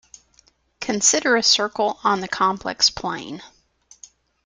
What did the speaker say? Consider a circle on the complex plane.